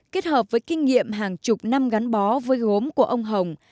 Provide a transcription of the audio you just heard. kết hợp với kinh nghiệm hàng chục năm gắn bó với gốm của ông hồng